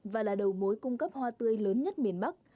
và là đầu mối cung cấp hoa tươi lớn nhất miền bắc